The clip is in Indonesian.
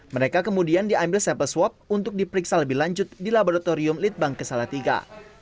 mereka kemudian diambil sampel swab untuk diperiksa lebih lanjut di laboratorium litbang kesalatiga